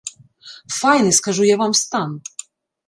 Файны, скажу я вам, стан!